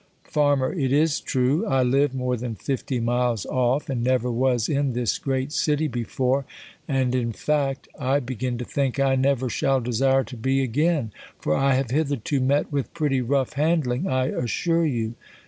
Farm, It is true, 1 live more than fifty miles off, and never was in this' great city before ; and in fact, I A a begin 290 THE COLUMBIAN ORATOR. begin to think I never shall desire to be again ; for I have hitherto met with pretty rough handling, 1 assure you.